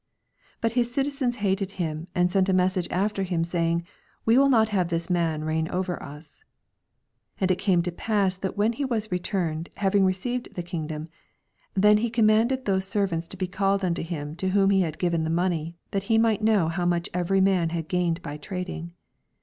14 But his citizens nated him, and sent a message after him, saying, We will not have this man to reign over us. 15 And it came to pass, that when he was returned, having received the kingdom, then he commanded these servants to be called unto him, to whom he had given the money, that he might know how much every man had gained by trading.